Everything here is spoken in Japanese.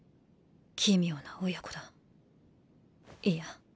奇妙な親子だいや